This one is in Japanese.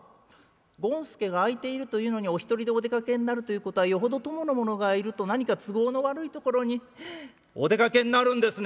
権助が空いているというのにお一人でお出かけになるということはよほど供の者がいると何か都合の悪いところにお出かけになるんですね！」。